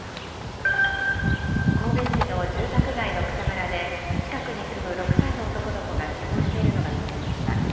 神戸市の住宅街の草むらで近くに住む６歳の男の子が死亡しているのが見つかりました。